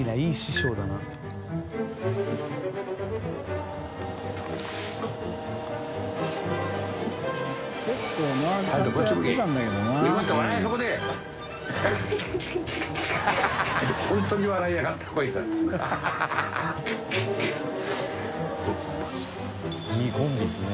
小瀧）いいコンビですね。